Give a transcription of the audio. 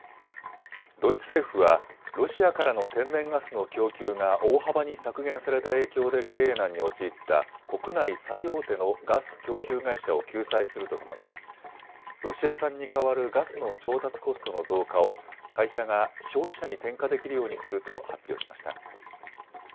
ドイツ政府はロシアからの天然ガスの供給が大幅に削減された影響で経営難に陥った国内最大手のガス供給会社を救済するとともにロシア産に代わるガスの調達コストの増加を会社が消費者に転嫁できるようにすると発表しました。